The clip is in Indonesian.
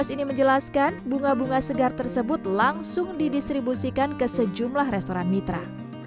ini menjelaskan bunga bunga segar tersebut langsung didistribusikan ke sejumlah restoran mitra